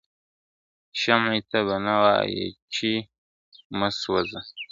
شمعي ته به نه وایې چي مه سوځه !.